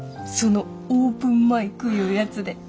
そのオープンマイクいうやつで。